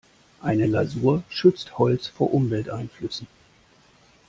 Eine Lasur schützt Holz vor Umwelteinflüssen.